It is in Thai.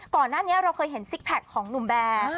ก่อนหน้านี้เราเคยเห็นซิกแพคของหนุ่มแบร์